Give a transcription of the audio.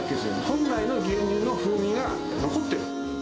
本来の牛乳の風味が残ってる。